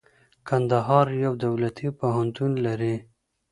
کندهار يو دولتي پوهنتون لري.